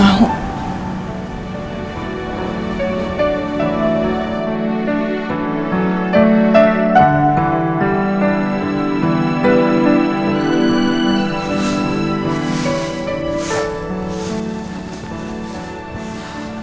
emang kamu nggak pengen apa